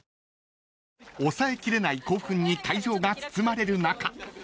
［抑えきれない興奮に会場が包まれる中］